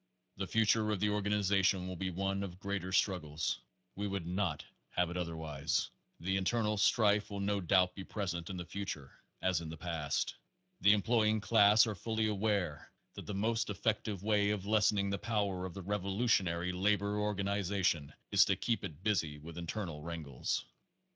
The future of the organization will be one of greater struggles. We would not have it otherwise. The in ternal strife will no doubt be present in the future as in the past. The employing class are fully aware that the most effective way of lessening the power of the rev olutionary labor organization is to keep it busy with internal wrangles.